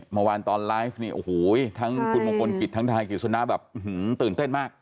เมื่อวานตอนไลฟ์นี่โอ้โหทั้งคุณมงคลกิจทั้งทนายกฤษณะแบบตื่นเต้นมาก